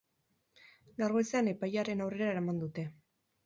Gaur goizean epailearen aurrera eraman dute.